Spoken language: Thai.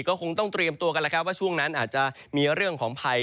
ก็คงต้องเตรียมตัวกันแล้วครับว่าช่วงนั้นอาจจะมีเรื่องของภัย